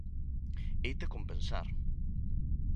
Heite compensar